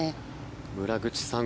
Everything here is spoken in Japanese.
村口さん